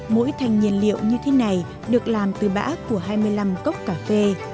mỗi thanh nhiên liệu như thế này được làm từ bã của hai mươi năm cốc cà phê